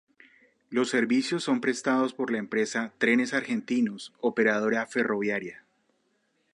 Los servicios son prestados por la empresa Trenes Argentinos Operadora Ferroviaria.